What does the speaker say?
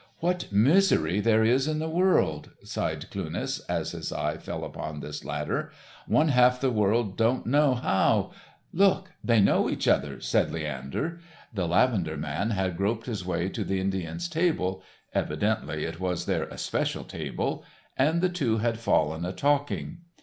"What misery there is in this world," sighed Cluness as his eye fell upon this latter, "one half the world don't know how—" "Look, they know each other," said Leander. The lavender man had groped his way to the Indian's table—evidently it was their especial table—and the two had fallen a talking.